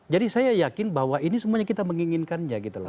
jadi saya yakin bahwa ini semuanya kita menginginkannya gitu loh